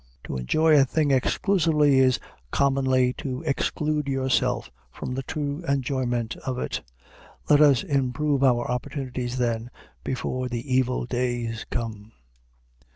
To enjoy a thing exclusively is commonly to exclude yourself from the true enjoyment of it. Let us improve our opportunities, then, before the evil days come.